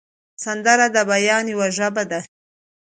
سندره د بیان یوه ژبه ده